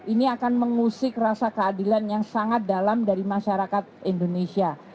ini akan mengusik rasa keadilan yang sangat dalam dari masyarakat indonesia